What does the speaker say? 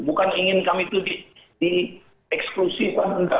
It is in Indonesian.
bukan ingin kami itu dieksklusif